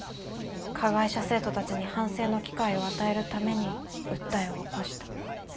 加害者生徒たちに反省の機会を与えるために訴えを起こした。